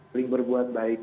pilih berbuat baik